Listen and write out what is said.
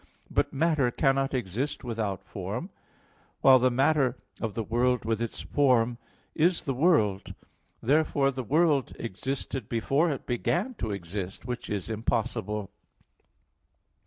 But matter cannot exist without form: while the matter of the world with its form is the world. Therefore the world existed before it began to exist: which is impossible.